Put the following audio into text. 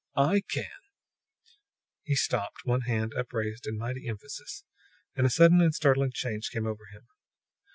I can " He stopped, one hand upraised in mighty emphasis, and a sudden and startling change came over him.